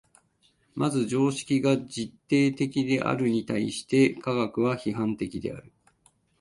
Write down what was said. まず常識が実定的であるに対して科学は批判的である。